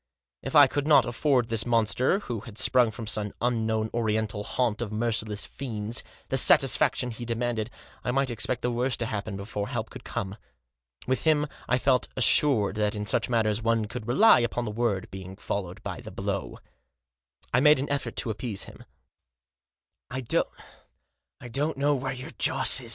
If I could not afford this monster, who had sprung from some unknown oriental haunt of merciless fiends, the satisfaction he de manded, I might expect the worst to happen before help could come. With him I felt assured that in such matters one could rely upon the word being followed by the blow. I made an effort to appease him. Digitized by 220 THE JOSS. " I don't know where your Joss is.